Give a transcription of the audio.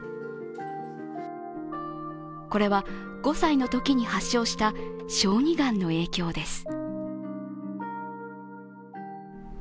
これは５歳のときに発症した小児がんの影響です。